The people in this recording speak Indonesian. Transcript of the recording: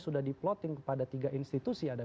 sudah diplotting kepada tiga institusi ada